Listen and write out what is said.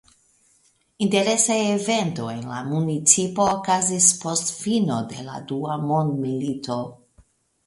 Interesa evento en la municipo okazis post fino de la dua mondmilito.